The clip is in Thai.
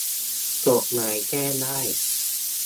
กฎหมายแก้ได้